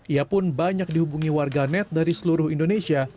ia pun banyak dihubungi warga net dari seluruh indonesia